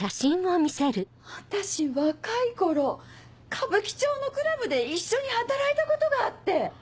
私若い頃歌舞伎町のクラブで一緒に働いたことがあって！